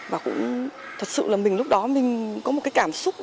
và cũng thật sự là mình lúc đó mình có một cái cảm xúc